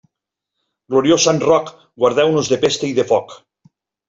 Gloriós Sant Roc, guardeu-nos de pesta i de foc.